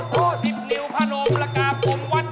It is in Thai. เดี๋ยวผมปะสนตอนให้